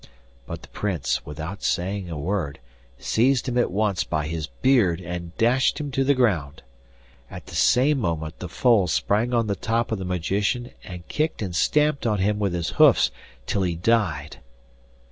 But the Prince, without saying a word, seized him at once by his beard and dashed him to the ground. At the same moment the foal sprang on the top of the magician and kicked and stamped on him with his hoofs till he died.